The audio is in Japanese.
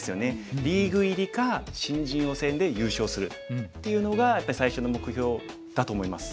リーグ入りか新人王戦で優勝するっていうのがやっぱり最初の目標だと思います。